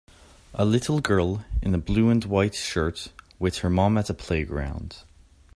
A little girl, in a blue and white shirt, with her mom at a playground.